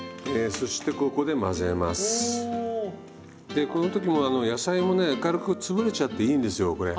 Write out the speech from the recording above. でこの時も野菜もね軽く潰れちゃっていいんですよこれ。